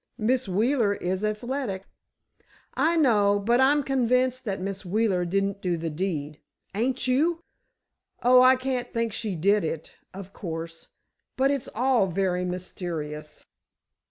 "Miss Wheeler is athletic." "I know, but I'm convinced that Miss Wheeler didn't do the deed. Ain't you?" "Oh, I can't think she did it, of course. But it's all very mysterious."